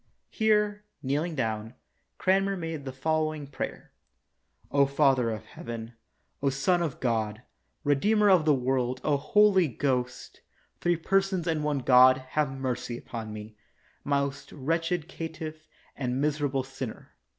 [Here, kneeling down, Cranmer made the following prayer:] Father of heaven, O Son of God, Redeemer of the world, O Holy Ghost, three persons and one God, have mercy upon me, most wretched caitiff and miserable sinner.